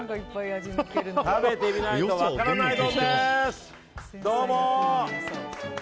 食べてみないとわからない丼です。